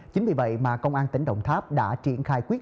chính vì vậy mà công an tỉnh đồng tháp đã triển khai quyết